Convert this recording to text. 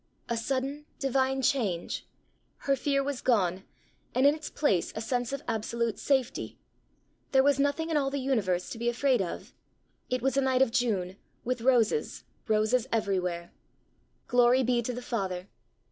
A sudden, divine change! her fear was gone, and in its place a sense of absolute safety: there was nothing in all the universe to be afraid of! It was a night of June, with roses, roses everywhere! Glory be to the Father!